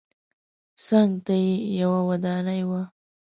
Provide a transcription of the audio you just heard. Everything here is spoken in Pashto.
څنګ ته یې یوه ودانۍ وه.